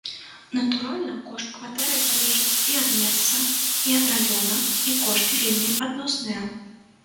Натуральна, кошт кватэры залежыць і ад месца, і ад раёна, і кошты вельмі адносныя.